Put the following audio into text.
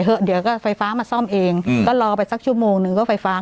เดี๋ยวก็ไฟฟ้ามาซ่อมเองอืมก็รอไปสักชั่วโมงหนึ่งก็ไฟฟ้า